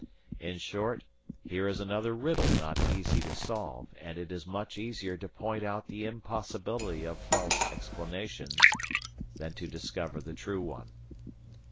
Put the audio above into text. In short, here is another riddle not easy to solve, and it is much easier to point out the impossibility of false explanations, than to discover the true one.